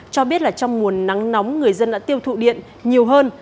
cho biết là trong mùa nắng nóng người dân đã tiêu thụ điện nhiều hơn